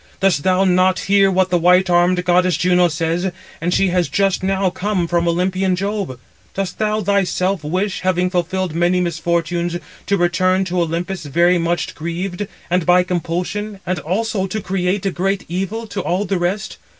Dost thou not hear what the white armed goddess Juno says, and she has just now come from Olympian Jove? Dost thou thyself wish, having fulfilled many misfortunes, to return to Olympus very much grieved, and by compulsion, and also to create a great evil to all the rest?